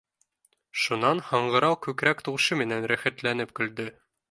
Шунан һаңғырау күкрәк тауышы менән рәхәтләнеп көлдө